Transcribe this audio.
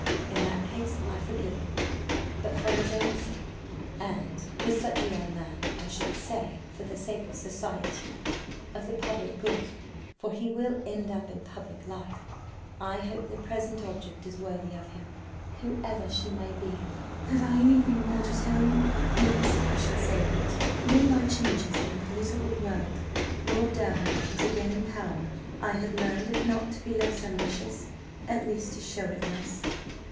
In that case I forgive him, but, for his own sake, and with such a young man I should say for the sake of society of the public good for he will end in public life, I hope the present object is worthy of him, whoever she may be. "Have I anything more to tell you? Yes, I should say that, when by changes in the political world Lord Davenant was again in power, I had learned, if not to be less ambitious, at least to show it less.